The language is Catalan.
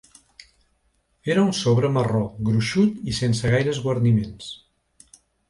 Era un sobre marró, gruixut i sense gaires guarniments.